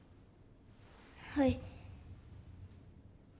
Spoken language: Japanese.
はい。